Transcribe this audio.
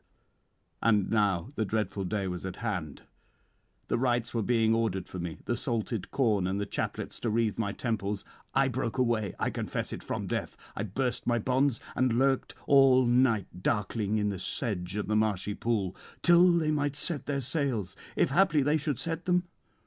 And now the dreadful day was at hand; the rites were being ordered for me, the salted corn, and the chaplets to wreathe my temples. I broke away, I confess it, from death; I burst my bonds, and lurked all night darkling in the sedge of the marshy pool, till they might set their sails, if haply they should set them.